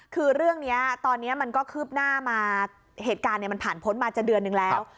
คือเรื่องนี้ตอนนี้มันก็คืบหน้ามาเหตุการณ์มันผ่านพ้นมาจะเดือนนึงแล้ว